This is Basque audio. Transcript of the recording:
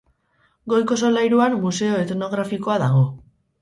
Goiko solairuan museo etnografikoa dago.